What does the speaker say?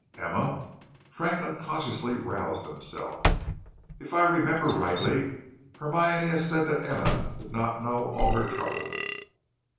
"Emma!" Frank unconsciously roused himself. "If I remember rightly, Hermione has said that Emma did not know all her trouble."